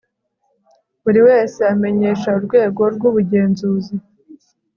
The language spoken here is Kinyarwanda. Buri wese amenyesha Urwego rw Ubugenzuzi